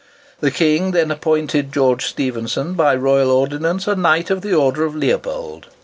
The King then appointed George Stephenson by royal ordinance a Knight of the Order of Leopold.